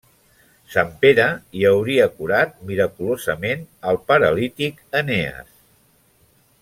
Sant Pere hi hauria curat miraculosament al paralític Enees.